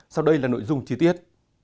sau đây là nội dung chi tiết